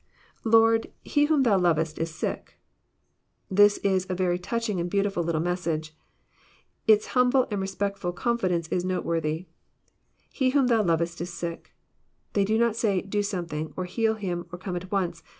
^ lLord...Jie whom thou lovest is sick."] This is a very touching aud beautiftil little message. — Its humble and respectful confi dence is noteworthy, He whom Thou lovest is sick." They do not say, " do something," or heal him," or " come at once."